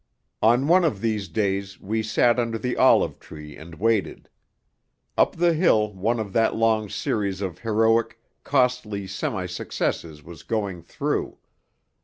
On one of these days we sat under the olive tree and waited. Up the hill one of that long series of heroic, costly semi successes was going through.